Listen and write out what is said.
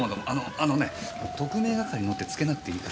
あのね「特命係の」って付けなくていいから。